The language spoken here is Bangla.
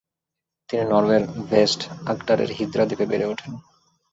তিনি নরওয়ের ভেস্ট-আগডারের হিদ্রা দ্বীপে বেড়ে ওঠেন।